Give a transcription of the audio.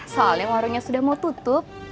soalnya warungnya sudah mau tutup